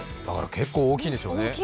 結構大きいんでしょうね。